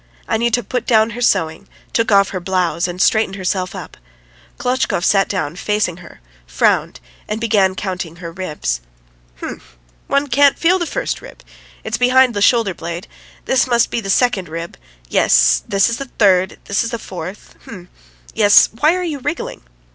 Anyuta put down her sewing, took off her blouse, and straightened herself up. Klotchkov sat down facing her, frowned, and began counting her ribs. "H'm! ... One can't feel the first rib; it's behind the shoulder blade .... This must be the second rib. ... Yes ... this is the third ... this is the fourth. ... H'm! ... yes. ... Why are you wriggling?"